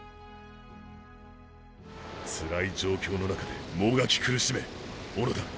つらい状況の中でもがき苦しめ小野田！！